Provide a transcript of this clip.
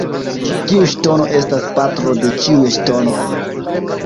Kiu ŝtono estas patro de ĉiuj ŝtonoj?